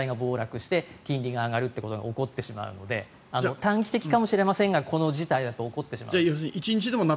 だから本当に国債が暴落して金利が上がるということが起こってしまうので短期的かもしれないのでこの事態が起きてしまう。